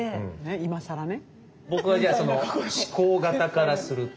今更ね。